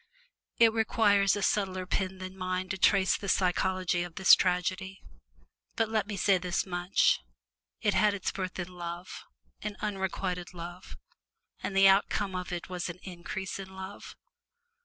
It requires a subtler pen than mine to trace the psychology of this tragedy; but let me say this much, it had its birth in love, in unrequited love; and the outcome of it was an increase in love.